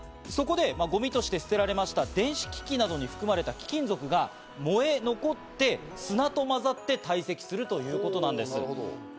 そこでゴミとして捨てられました電子機器などに含まれた貴金属が燃え残って、砂と混ざって堆積するということなんです。